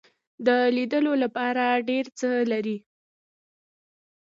د لیدلو لپاره ډیر څه لري.